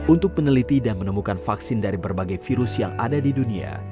untuk peneliti dan menemukan vaksin dari berbagai virus yang ada di dunia